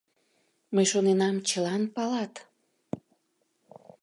Мый шоненам, чылан палат.